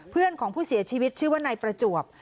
เพื่อนของผู้เสียชีวิตชื่อว่านายประจวบ